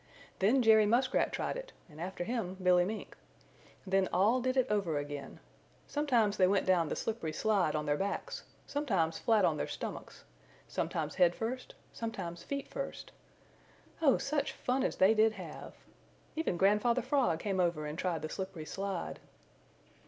Then Jerry Muskrat tried it and after him Billy Mink. Then all did it over again. Sometimes they went down the slippery slide on their backs, sometimes flat on their stomachs, sometimes head first, sometimes feet first. Oh such fun as they did have! Even Grandfather Frog came over and tried the slippery slide.